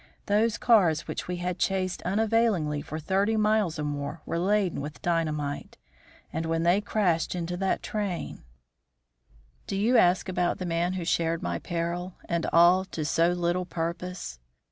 Those cars which we had chased unavailingly for thirty miles or more were laden with dynamite, and when they crashed into that train Do you ask about the man who shared my peril, and all to so little purpose?